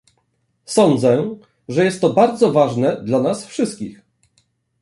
Sądzę, że jest to bardzo ważne dla nas wszystkich